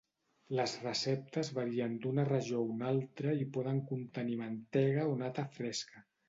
Les receptes varien d'una regió a una altra i poden contenir mantega o nata fresca.